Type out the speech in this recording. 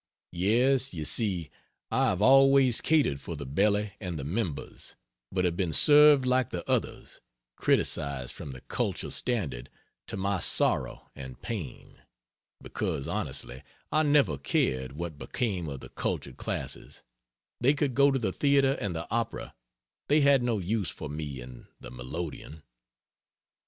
Yes, you see, I have always catered for the Belly and the Members, but have been served like the others criticized from the culture standard to my sorrow and pain; because, honestly, I never cared what became of the cultured classes; they could go to the theatre and the opera they had no use for me and the melodeon.